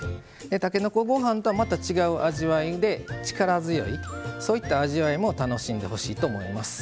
たけのこごはんとはまた違う味わいで力強いそういった味わいも楽しんでほしいと思います。